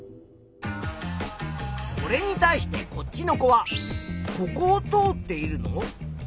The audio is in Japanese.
これに対してこっちの子は「ここをとおっているの？」